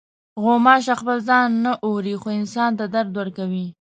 غوماشه خپل ځان نه اوري، خو انسان ته درد ورکوي.